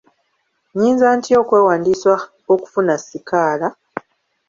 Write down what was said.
Nyinza ntya okwewandiisa okufuna sikaala?